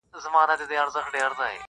ملکه له تخته پورته په هوا سوه-